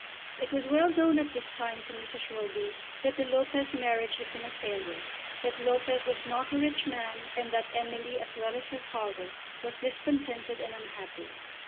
It was well known at this time to Mrs. Roby that the Lopez marriage had been a failure, that Lopez was not a rich man, and that Emily, as well as her father, was discontented and unhappy.